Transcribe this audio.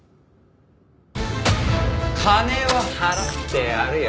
金は払ってやるよ。